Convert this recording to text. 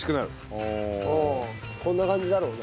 ああこんな感じだろうね。